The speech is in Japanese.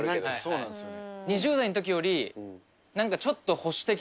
そうなんですよね。